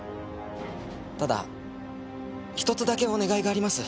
ただ１つだけお願いがあります。